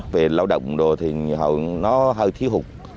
về lao động đồ thì nó hơi thiếu hụt